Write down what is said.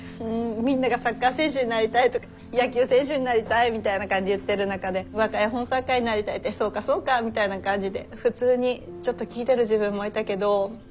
・みんなが「サッカー選手になりたい」とか「野球選手になりたい」みたいな感じで言ってる中で「わか絵本作家になりたい」って「そうかそうか」みたいな感じで普通にちょっと聞いてる自分もいたけど。